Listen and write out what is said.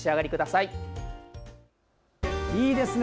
いいですね。